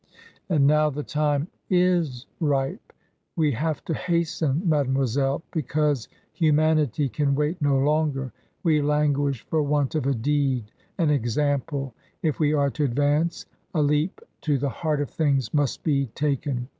"And now the time is ripe. We have to hasten, mademoiselle, because humanity can wait no longer. We languish for want of a deed — an example. If we are to advance, a leap to the heart of things must be taken